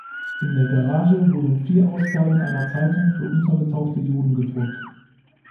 In der Garage wurden vier Ausgaben einer Zeitung für untergetauchte Juden gedruckt.